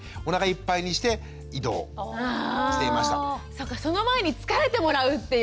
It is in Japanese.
そっかその前に疲れてもらうっていうね。